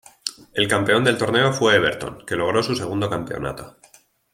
El campeón del torneo fue Everton, que logró su segundo campeonato.